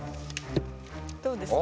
どうですか？